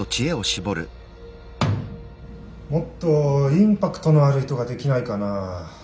もっとインパクトのある糸ができないかなぁ。